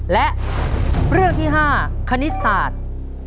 และเรื่องที่๕คณิตสาธิต